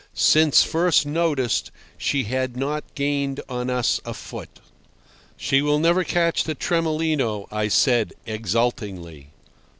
Since first noticed she had not gained on us a foot. "She will never catch the Tremolino," I said exultingly.